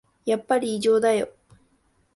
やっぱり異常だよ